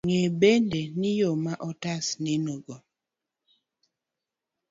Ng'e bende ni, yo ma otas nenogo,